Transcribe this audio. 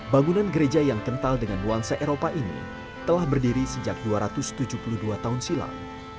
bangunan gereja yang kental dengan nuansa eropa ini telah berdiri sejak dua ratus tujuh puluh dua tahun silam